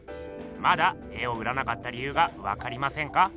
まだ絵を売らなかった理ゆうがわかりませんか？